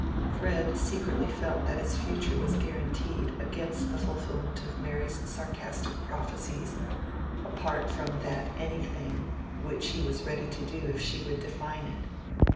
Fred secretly felt that his future was guaranteed against the fulfilment of Mary's sarcastic prophecies, apart from that "anything" which he was ready to do if she would define it.